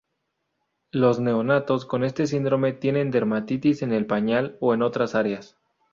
Los neonatos con este síndrome tienen dermatitis en el pañal o en otras áreas.